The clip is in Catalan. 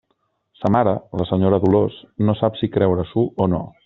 Sa mare, la senyora Dolors, no sap si creure-s'ho o no.